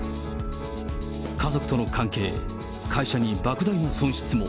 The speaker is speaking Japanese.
家族との関係、会社にばく大な損失も。